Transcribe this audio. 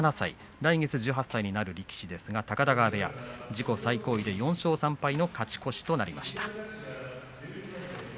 来月１８歳になります高田川部屋自己最高位４勝３敗の勝ち越しとなりました。